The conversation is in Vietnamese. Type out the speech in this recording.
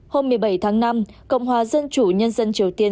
hôm một mươi bảy tháng năm cộng hòa dân chủ nhân dân triều tiên